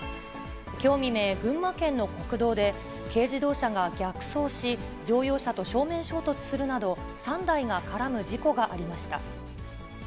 きょう未明、群馬県の国道で、軽自動車が逆走し、乗用車と正面衝突するなど、３台が絡む事故がありました。